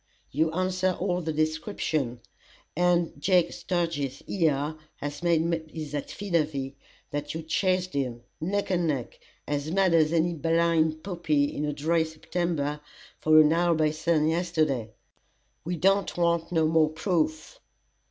You answer all the descriptions, and Jake Sturgis here, has made his affidavy that you chased him, neck and neck, as mad as any blind puppy in a dry September, for an hour by sun yesterday. We don't want no more proof."